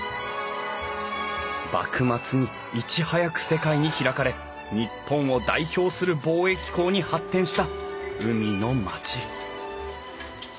幕末にいち早く世界に開かれ日本を代表する貿易港に発展した海の町。